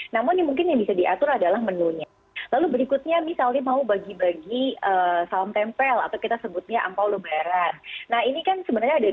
demi meminimalisirkan uang thr bisa disesuaikan dengan budget